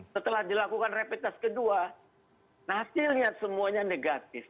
setelah dilakukan rapid test kedua hasilnya semuanya negatif